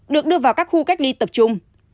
được đưa vào các khu cách ly tập trung